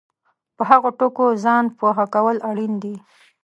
په هغو ټکو ځان پوه کول اړین دي